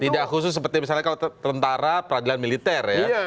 tidak khusus seperti misalnya kalau tentara peradilan militer ya